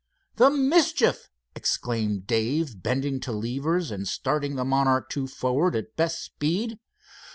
"The mischief!" exclaimed Dave bending to levers and starting the Monarch II forward at best speed.